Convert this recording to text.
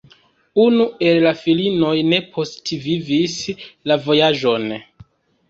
Unu el la filinoj ne postvivis la vojaĝon.